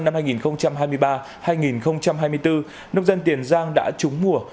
năm hai nghìn hai mươi ba hai nghìn hai mươi bốn nông dân tiền giang đã trúng mùa